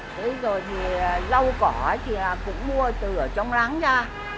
thế rồi thì rau cỏ thì cũng mua từ trong láng ra